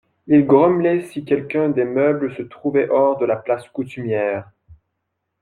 Il grommelait si quelqu'un des meubles se trouvait hors de la place coutumière.